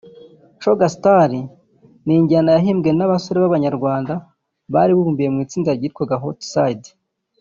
Coga Style ni injyana yahimbwe n’abasore b’Abanyarwanda bari bibumbiye mu itsinda ryitwaga Hot side